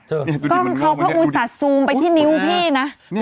เจ้าเพราะมึงสัดซูมไปที่นิ้วพี่นะ